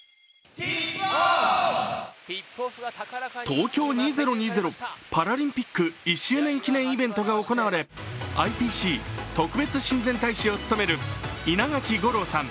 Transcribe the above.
東京２０２０パラリンピック１周年記念イベントが行われＩＰＣ特別親善大使を務める稲垣吾郎さん